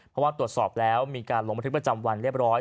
เพราะว่าตรวจสอบแล้วมีการลงบันทึกประจำวันเรียบร้อย